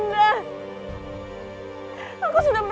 ka tulung sih